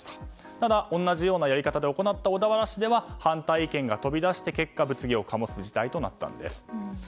ただ、同じようなやり方で行った小田原市では反対意見が飛び出して結果物議を醸す事態となったんです。